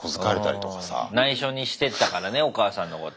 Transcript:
ないしょにしてったからねお母さんのこと。